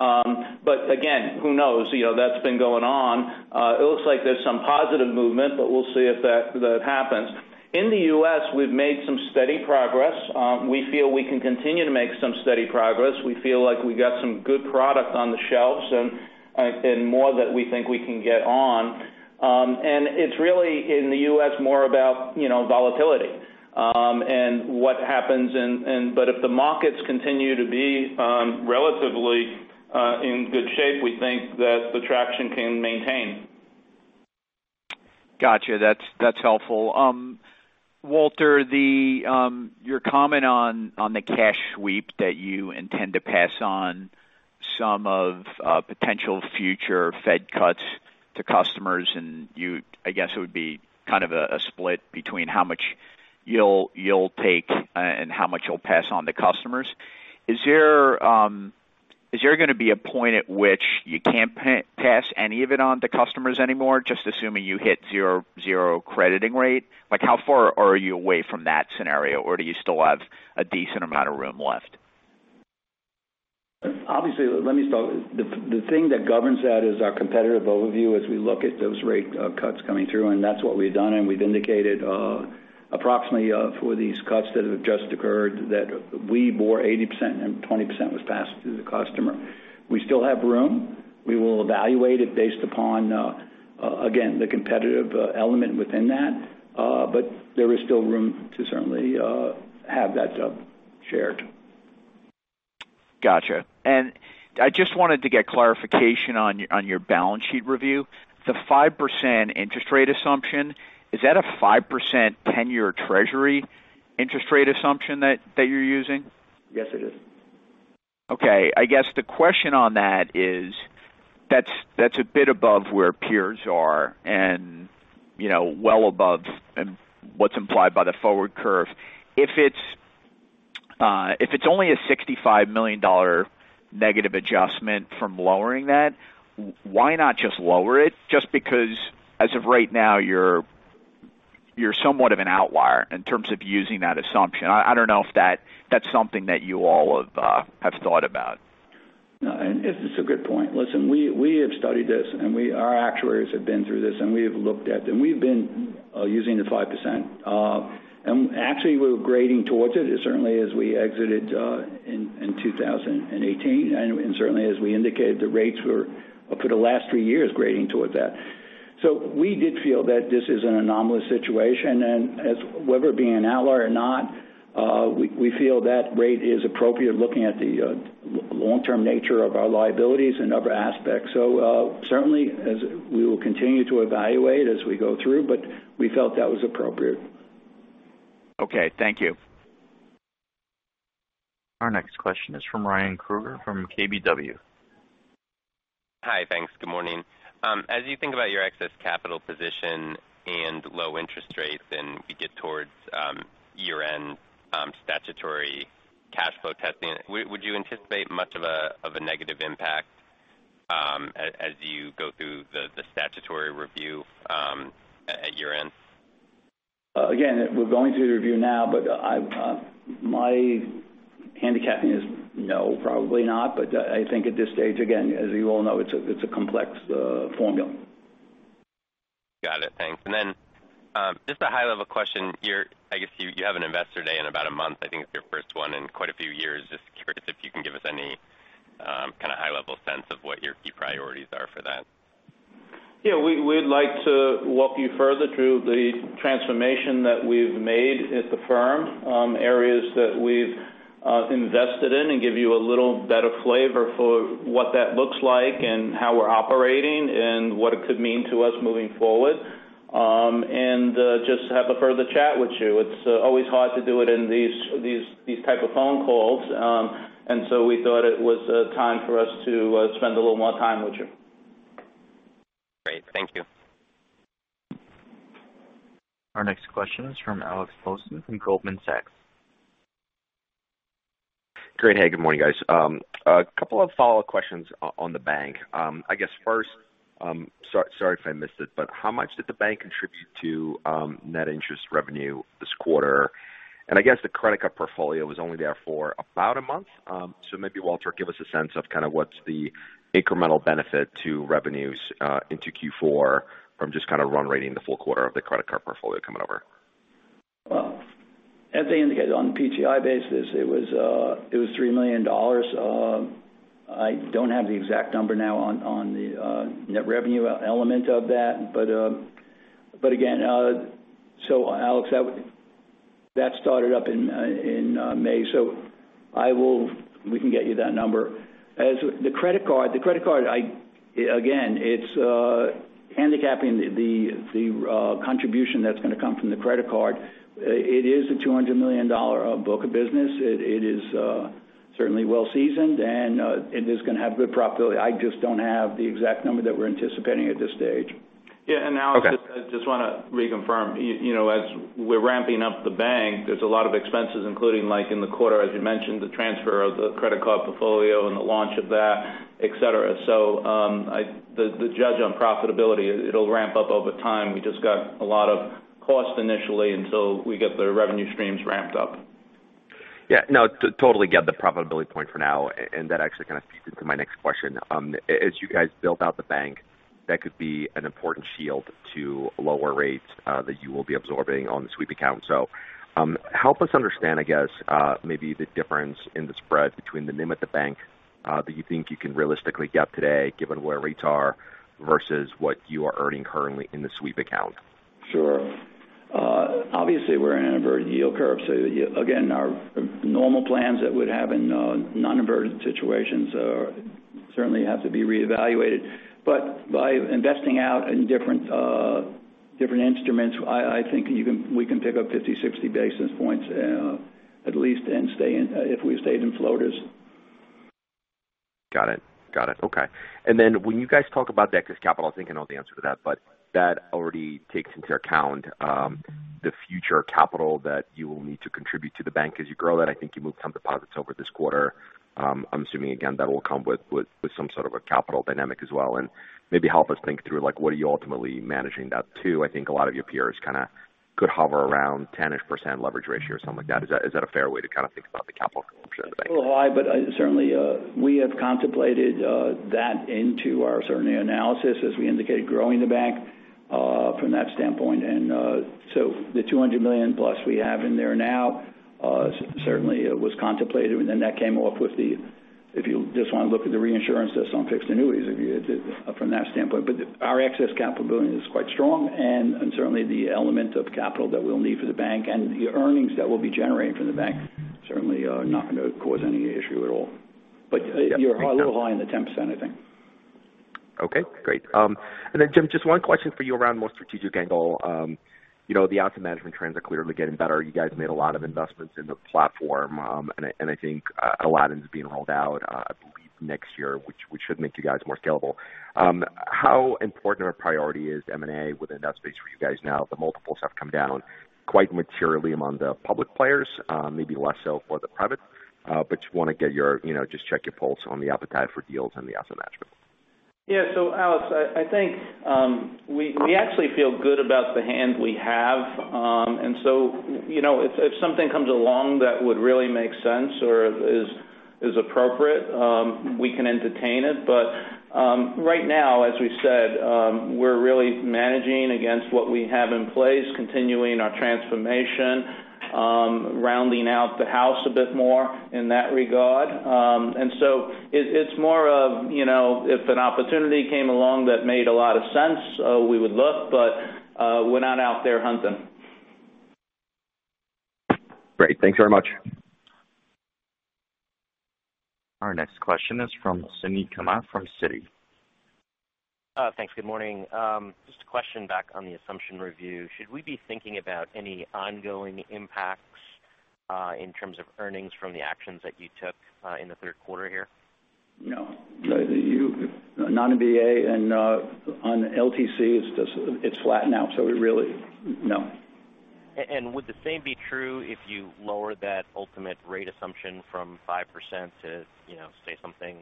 Again, who knows? That's been going on. It looks like there's some positive movement, but we'll see if that happens. In the U.S., we've made some steady progress. We feel we can continue to make some steady progress. We feel like we got some good product on the shelves and more that we think we can get on. It's really in the U.S. more about volatility and what happens. If the markets continue to be relatively in good shape, we think that the traction can maintain. Got you. That's helpful. Walter, your comment on the cash sweep that you intend to pass on some of potential future Fed cuts to customers, and I guess it would be kind of a split between how much you'll take and how much you'll pass on to customers. Is there going to be a point at which you can't pass any of it on to customers anymore, just assuming you hit zero crediting rate? How far are you away from that scenario, or do you still have a decent amount of room left? Let me start. The thing that governs that is our competitive overview as we look at those rate cuts coming through, and that's what we've done, and we've indicated approximately for these cuts that have just occurred that we bore 80% and 20% was passed through the customer. We still have room. We will evaluate it based upon, again, the competitive element within that. There is still room to certainly have that shared. Got you. I just wanted to get clarification on your balance sheet review. The 5% interest rate assumption, is that a 5% 10-year treasury interest rate assumption that you're using? Yes, it is. Okay. I guess the question on that is that is a bit above where peers are and well above what is implied by the forward curve. If it is only a $65 million negative adjustment from lowering that, why not just lower it? Just because as of right now, you are somewhat of an outlier in terms of using that assumption. I do not know if that is something that you all have thought about. No, it is a good point. Listen, we have studied this. Our actuaries have been through this. We have looked at. We have been using the 5%. Actually, we are grading towards it. Certainly as we exited in 2018, and certainly as we indicated, the rates were for the last three years grading towards that. We did feel that this is an anomalous situation, whether it be an outlier or not, we feel that rate is appropriate looking at the long-term nature of our liabilities and other aspects. Certainly, as we will continue to evaluate as we go through, we felt that was appropriate. Okay. Thank you. Our next question is from Ryan Krueger from KBW. Hi, thanks. Good morning. As you think about your excess capital position and low interest rates, we get towards year-end statutory cash flow testing, would you anticipate much of a negative impact as you go through the statutory review at year-end? Again, we're going through the review now, my handicapping is no, probably not. I think at this stage, again, as you all know, it's a complex formula. Got it. Thanks. Just a high-level question. I guess you have an investor day in about a month. I think it's your first one in quite a few years. Just curious if you can give us any kind of high-level sense of what your key priorities are for that. Yeah. We'd like to walk you further through the transformation that we've made at the firm, areas that we've invested in, and give you a little better flavor for what that looks like and how we're operating and what it could mean to us moving forward. Just have a further chat with you. It's always hard to do it in these type of phone calls. We thought it was a time for us to spend a little more time with you. Great. Thank you. Our next question is from Alex Blostein from Goldman Sachs. Great. Hey, good morning, guys. A couple of follow-up questions on the bank. I guess first, sorry if I missed it, but how much did the bank contribute to net interest revenue this quarter? The credit card portfolio was only there for about a month. Maybe Walter, give us a sense of what's the incremental benefit to revenues into Q4 from just kind of run rating the full quarter of the credit card portfolio coming over. Well, as they indicated on the PTI basis, it was $3 million. I don't have the exact number now on the net revenue element of that. Alex, that started up in May, so we can get you that number. As the credit card, again, it's handicapping the contribution that's going to come from the credit card. It is a $200 million book of business. It is certainly well seasoned, and it is going to have good profitability. I just don't have the exact number that we're anticipating at this stage. Yeah. Alex. Okay I just want to reconfirm. As we're ramping up the bank, there's a lot of expenses including like in the quarter, as you mentioned, the transfer of the credit card portfolio and the launch of that, et cetera. The judgment on profitability, it'll ramp up over time. We just got a lot of cost initially until we get the revenue streams ramped up. Yeah. No, totally get the profitability point for now, and that actually kind of feeds into my next question. As you guys built out the bank, that could be an important shield to lower rates that you will be absorbing on the sweep account. Help us understand, I guess, maybe the difference in the spread between the NIM at the bank that you think you can realistically get today given where rates are versus what you are earning currently in the sweep account. Sure. Obviously, we're in an inverted yield curve. Again, our normal plans that would have in non-inverted situations certainly have to be reevaluated. By investing out in different instruments, I think we can pick up 50, 60 basis points at least if we stayed in floaters. Got it. Okay. When you guys talk about the excess capital, I think I know the answer to that already takes into account the future capital that you will need to contribute to the bank as you grow that. I think you moved some deposits over this quarter. I'm assuming, again, that will come with some sort of a capital dynamic as well, and maybe help us think through like what are you ultimately managing that to? I think a lot of your peers kind of could hover around 10-ish% leverage ratio or something like that. Is that a fair way to kind of think about the capital function of the bank? Little high, certainly, we have contemplated that into our certainly analysis as we indicated growing the bank from that standpoint. The $200 million plus we have in there now certainly was contemplated. That came off with the, if you just want to look at the reinsurance that's on fixed annuities from that standpoint. Our excess capital building is quite strong, and certainly the element of capital that we'll need for the bank and the earnings that we'll be generating from the bank certainly are not going to cause any issue at all. Yeah. Great a little high in the 10%, I think. Okay, great. Jim, just one question for you around more strategic angle. The outcome management trends are clearly getting better. You guys made a lot of investments in the platform. I think Aladdin's being rolled out I believe next year, which should make you guys more scalable. How important or priority is M&A within that space for you guys now that multiples have come down quite materially among the public players? Maybe less so for the private. Just want to check your pulse on the appetite for deals and the asset management. Yeah. Alex, I think we actually feel good about the hand we have. If something comes along that would really make sense or is appropriate, we can entertain it. Right now, as we said, we're really managing against what we have in place, continuing our transformation, rounding out the house a bit more in that regard. It's more of if an opportunity came along that made a lot of sense, we would look, we're not out there hunting. Great. Thanks very much. Our next question is from Suneet Kamath from Citi. Thanks. Good morning. Just a question back on the assumption review. Should we be thinking about any ongoing impacts in terms of earnings from the actions that you took in the third quarter here? No. Non-GMDB and on LTC, it's flattened out, so we really No. Would the same be true if you lowered that ultimate rate assumption from 5% to say something,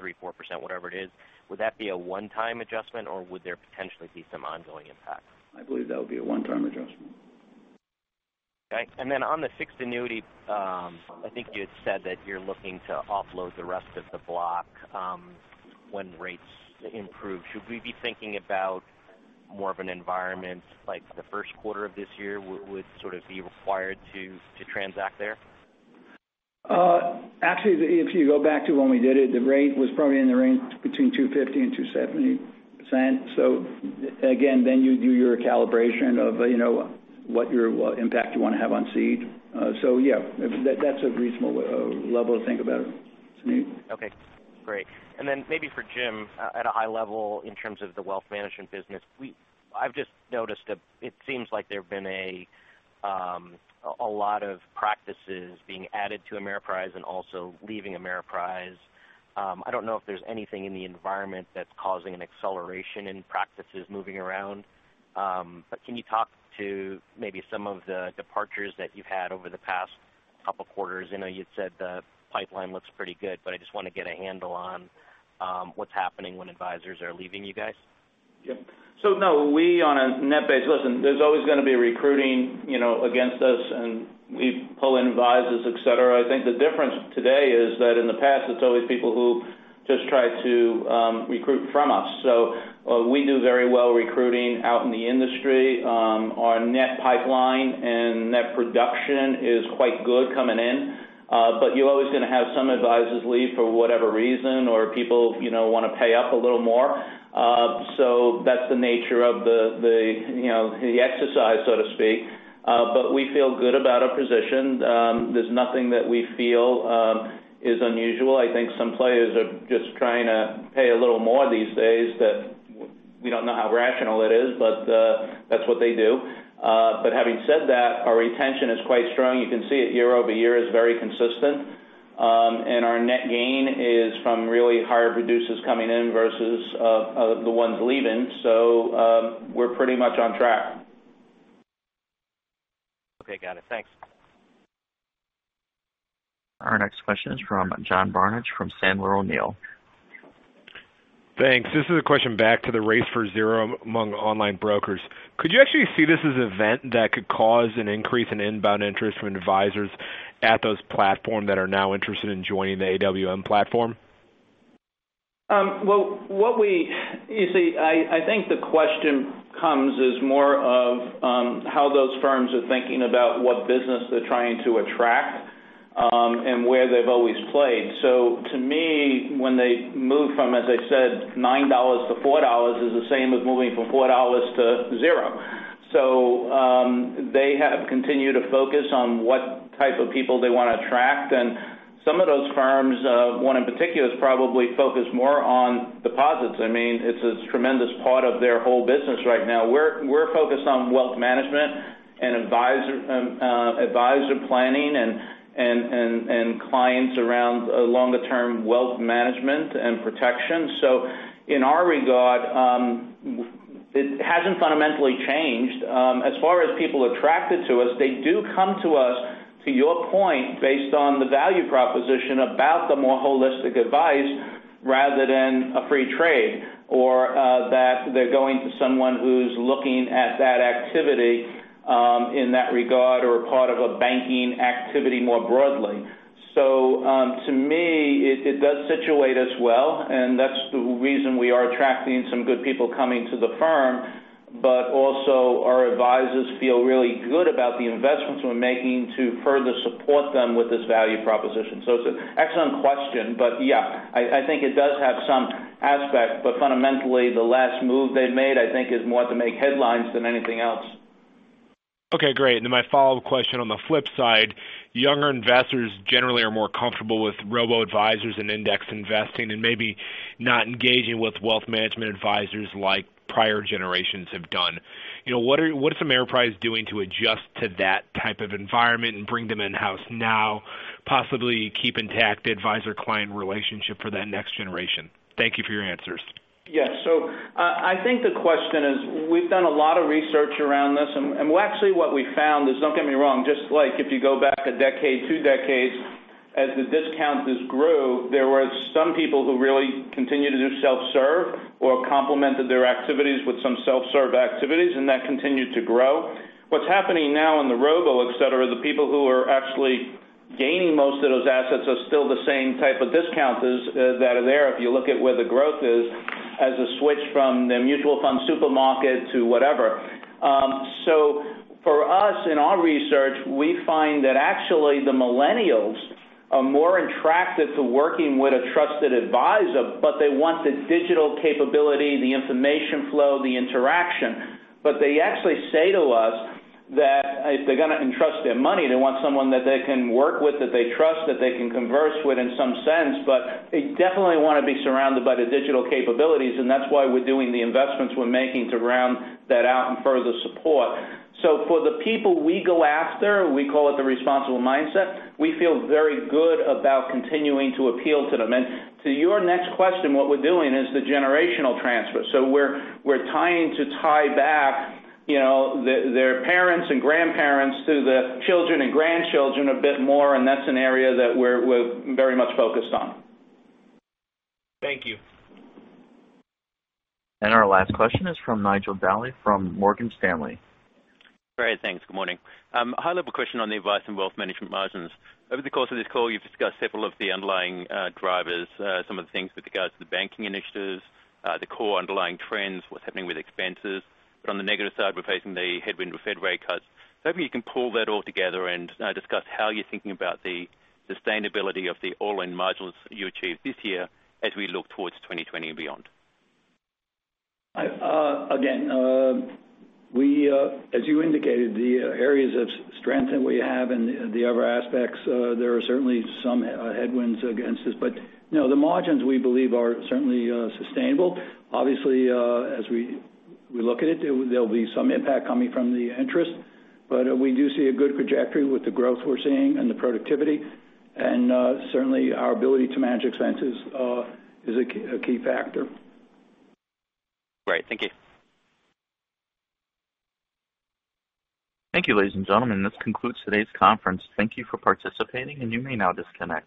3%, 4%, whatever it is? Would that be a one-time adjustment, or would there potentially be some ongoing impact? I believe that would be a one-time adjustment. Okay. Then on the fixed annuity, I think you had said that you're looking to offload the rest of the block when rates improve. Should we be thinking about more of an environment like the first quarter of this year would sort of be required to transact there? Actually, if you go back to when we did it, the rate was probably in the range between 250% and 270%. Again, then you do your calibration of what impact you want to have on cede. Yeah, that's a reasonable level to think about it, Suneet. Okay, great. Then maybe for Jim, at a high level in terms of the wealth management business, I've just noticed that it seems like there have been a lot of practices being added to Ameriprise and also leaving Ameriprise. I don't know if there's anything in the environment that's causing an acceleration in practices moving around. Can you talk to maybe some of the departures that you've had over the past couple quarters. I know you'd said the pipeline looks pretty good, I just want to get a handle on what's happening when advisors are leaving you guys. No, we on a net base. There's always going to be recruiting against us, and we pull in advisors, et cetera. I think the difference today is that in the past, it's always people who just try to recruit from us. We do very well recruiting out in the industry. Our net pipeline and net production is quite good coming in. You're always going to have some advisors leave for whatever reason, or people want to pay up a little more. That's the nature of the exercise, so to speak. We feel good about our position. There's nothing that we feel is unusual. I think some players are just trying to pay a little more these days that we don't know how rational it is, but that's what they do. Having said that, our retention is quite strong. You can see it year-over-year is very consistent. Our net gain is from really higher producers coming in versus the ones leaving. We're pretty much on track. Got it. Thanks. Our next question is from John Barnidge from Sandler O'Neill. Thanks. This is a question back to the race for zero among online brokers. Could you actually see this as an event that could cause an increase in inbound interest from advisors at those platforms that are now interested in joining the AWM platform? I think the question comes as more of how those firms are thinking about what business they're trying to attract, and where they've always played. To me, when they move from, as I said, $9 to $4 is the same as moving from $4 to 0. They have continued to focus on what type of people they want to attract. Some of those firms, one in particular, is probably focused more on deposits. It's a tremendous part of their whole business right now. We're focused on wealth management and advisor planning, and clients around longer-term wealth management and protection. In our regard, it hasn't fundamentally changed. As far as people attracted to us, they do come to us, to your point, based on the value proposition about the more holistic advice rather than a free trade, or that they're going to someone who's looking at that activity in that regard or a part of a banking activity more broadly. To me, it does situate us well, and that's the reason we are attracting some good people coming to the firm. Also our advisors feel really good about the investments we're making to further support them with this value proposition. It's an excellent question. Yeah, I think it does have some aspect. Fundamentally, the last move they've made, I think, is more to make headlines than anything else. Okay, great. My follow-up question, on the flip side, younger investors generally are more comfortable with robo-advisors and index investing, and maybe not engaging with wealth management advisors like prior generations have done. What is Ameriprise doing to adjust to that type of environment and bring them in-house now, possibly keep intact advisor-client relationship for that next generation? Thank you for your answers. Yeah. I think the question is, we've done a lot of research around this, and actually what we found is, don't get me wrong, just like if you go back a decade, two decades, as the discount just grew, there was some people who really continued to do self-serve or complemented their activities with some self-serve activities, and that continued to grow. What's happening now in the robo, et cetera, the people who are actually gaining most of those assets are still the same type of discounters that are there if you look at where the growth is as a switch from the mutual fund supermarket to whatever. For us, in our research, we find that actually the millennials are more attracted to working with a trusted advisor, but they want the digital capability, the information flow, the interaction. They actually say to us that if they're going to entrust their money, they want someone that they can work with, that they trust, that they can converse with in some sense. They definitely want to be surrounded by the digital capabilities, and that's why we're doing the investments we're making to round that out and further support. For the people we go after, we call it the responsible mindset, we feel very good about continuing to appeal to them. To your next question, what we're doing is the generational transfer. We're tying to tie back their parents and grandparents to the children and grandchildren a bit more, and that's an area that we're very much focused on. Thank you. Our last question is from Nigel Dally from Morgan Stanley. Great. Thanks. Good morning. High-level question on the Advice & Wealth Management margins. Over the course of this call, you've discussed several of the underlying drivers, some of the things with regards to the banking initiatives, the core underlying trends, what's happening with expenses. On the negative side, we're facing the headwind of Fed rate cuts. Maybe you can pull that all together and discuss how you're thinking about the sustainability of the all-in margins you achieved this year as we look towards 2020 and beyond. Again, as you indicated, the areas of strength that we have and the other aspects, there are certainly some headwinds against this. No, the margins we believe are certainly sustainable. Obviously, as we look at it, there'll be some impact coming from the interest. We do see a good trajectory with the growth we're seeing and the productivity. Certainly our ability to manage expenses is a key factor. Great. Thank you. Thank you, ladies and gentlemen, this concludes today's conference. Thank you for participating, and you may now disconnect.